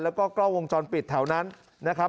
แล้วก็กล้องวงจรปิดแถวนั้นนะครับ